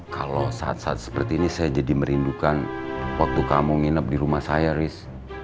kalau saat saat seperti ini saya jadi merindukan waktu kamu nginep di rumah saya riz